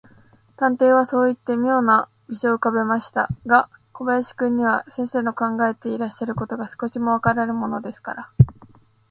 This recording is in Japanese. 探偵はそういって、みょうな微笑をうかべましたが、小林君には、先生の考えていらっしゃることが、少しもわからぬものですから、